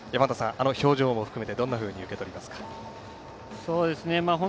あの表情も含めてどう受け取りますか。